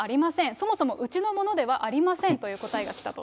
そもそも、うちのものではありませんという答えがきたと。